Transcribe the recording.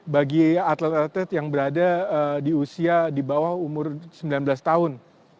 bagi atlet atlet yang berada di usia di bawah umur sembilan belas tahun